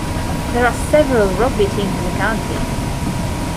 There are several rugby teams in the county.